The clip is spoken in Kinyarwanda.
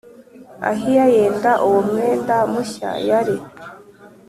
Ahiya yenda uwo mwenda mushya yari